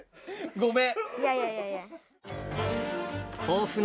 ごめん。